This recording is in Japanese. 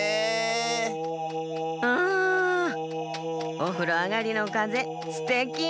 おふろあがりのかぜすてき！